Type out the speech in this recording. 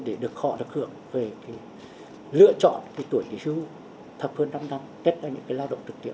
để được họ được hưởng về lựa chọn tuổi kỷ siêu thấp hơn năm năm kết nối những cái lao động trực tiệm